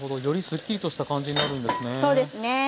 よりすっきりとした感じになるんですね。